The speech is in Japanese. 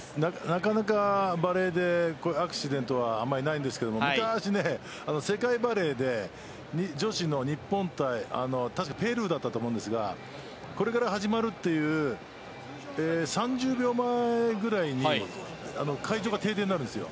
なかなか、バレーでアクシデントはないんですが昔、世界バレーで女子の日本対確かペルーだったと思うんですがこれから始まるという３０秒前ぐらいに会場が停電になるんです。